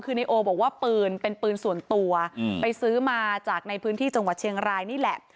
คือนายโอบอกว่าปืนเป็นปืนส่วนตัวไปซื้อมาจากในพื้นที่จังหวัดเชียงรายนี่แหละ